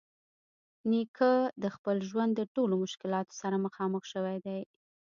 نیکه د خپل ژوند د ټولو مشکلاتو سره مخامخ شوی دی.